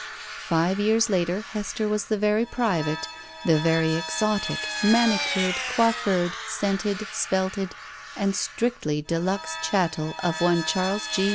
Five years later Hester was the very private, the very exotic, manicured, coiflfured, scented, svelted, and strictly de luxe chattel of one Charles G.